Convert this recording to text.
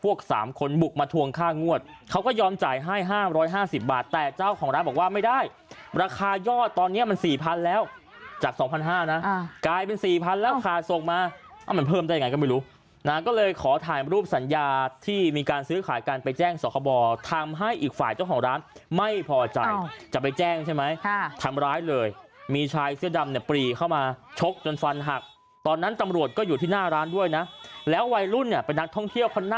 พวกสามคนบุกมาทวงค่างวดเขาก็ยอมจ่ายให้ห้ามร้อยห้าสิบบาทแต่เจ้าของร้านบอกว่าไม่ได้ราคายอดตอนเนี้ยมันสี่พันแล้วจากสองพันห้านะอ่ากลายเป็นสี่พันแล้วค่ะส่งมาอ้าวมันเพิ่มได้ยังไงก็ไม่รู้นะฮะก็เลยขอถ่ายรูปสัญญาที่มีการซื้อขายกันไปแจ้งสรรคบอร์ทำให้อีกฝ่ายเจ้าของร้านไม่พอใ